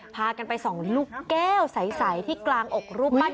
พากันไปส่องลูกแก้วใสที่กลางอกรูปปั้น